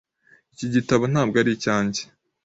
Iki gitabo ntabwo ari icyanjye .